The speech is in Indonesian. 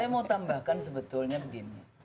saya mau tambahkan sebetulnya begini